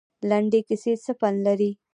لنډې کیسې څه پند لري؟